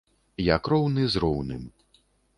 Як роўны з роўным.